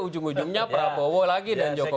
ujung ujungnya prabowo lagi dan jokowi